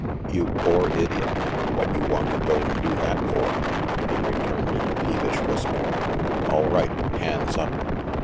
"You pore idiot, what you wanta go and do that for?" he returned in a peevish whisper. "All right. Hands up."